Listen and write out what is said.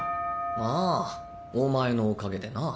ああお前のおかげでな。